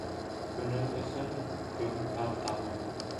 Көнөм өсөн көн тартамын.